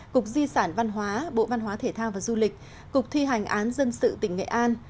cục di sản văn hóa bộ văn hóa thể thao và du lịch cục thi hành án dân sự tỉnh nghệ an